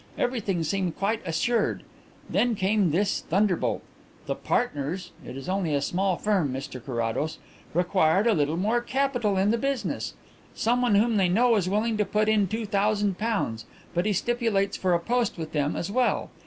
Everything seemed quite assured. Then came this thunderbolt. The partners it is only a small firm, Mr Carrados required a little more capital in the business. Someone whom they know is willing to put in two thousand pounds, but he stipulates for a post with them as well.